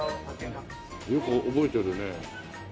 よく覚えてるね。